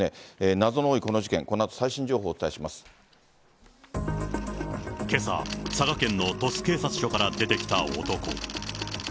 謎の多いこの事件、このあと、最けさ、佐賀県の鳥栖警察署から出てきた男。